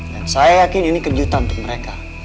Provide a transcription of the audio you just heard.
dan saya yakin ini kejutan untuk mereka